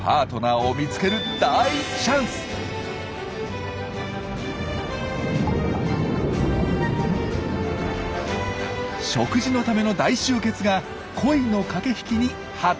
食事のための大集結が恋の駆け引きに発展するんです。